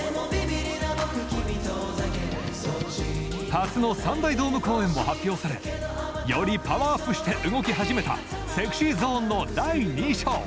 初の３大ドーム公演も発表されよりパワーアップして動き始めたＳｅｘｙＺｏｎｅの第二章。